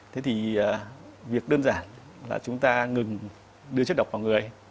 thế thì việc đơn giản là chúng ta ngừng đưa chất độc vào người